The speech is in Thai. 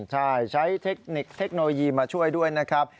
ใช่ใช้เทคนิคเทคโนโลยีมาช่วยด้วยนะครับ